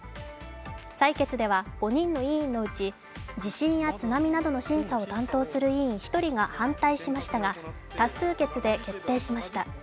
採決では、５人の委員のうち地震や津波などの審査を担当する委員１人が反対しましたが多数決で決定しました。